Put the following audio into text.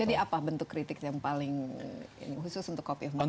jadi apa bentuk kritik yang paling khusus untuk copy of my mind